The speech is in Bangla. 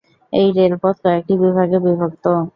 এই রেলপথ কয়েকটি বিভাগে বিভক্ত।